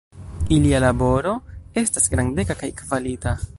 Ilia laboro estas grandega kaj kvalita.